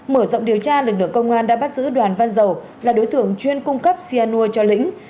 mở rộng điều tra lực lượng công an đã bắt giữ đoàn văn dầu là đối tượng chuyên cung cấp cyanur cho lĩnh